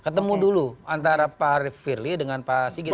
ketemu dulu antara pak rivirly dengan pak sigit